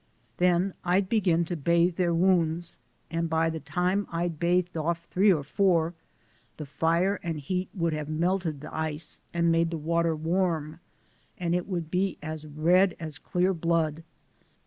Den I'd begin to bathe der wounds, an' by de time I'd bathed off three or four, de fire and heat would have melted de ice and made de water warm, an' it would be as red as clar blood.